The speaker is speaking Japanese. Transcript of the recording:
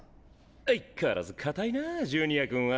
相っ変わらず堅いなジュニア君は。